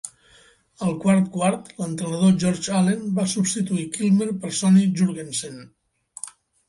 Al quart quart, l'entrenador George Allen va substituir Kilmer per Sonny Jurgensen.